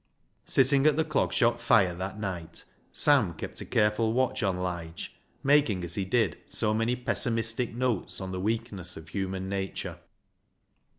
Sitting at the Clog Shop fire that night, Sam kept a careful watch on Lige, making as he did so many pessimistic notes on the weakness of human nature.